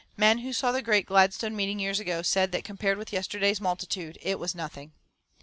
Men who saw the great Gladstone meeting years ago said that compared with yesterday's multitude it was as nothing."